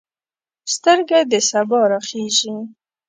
سترګه د سبا راخیژې